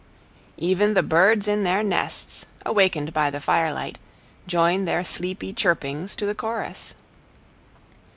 Even the birds in their nests, awakened by the firelight, join their sleepy chirpings to the chorus.